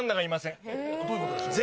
どういうことでしょう？